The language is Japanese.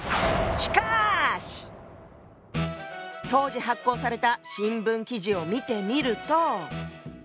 当時発行された新聞記事を見てみると。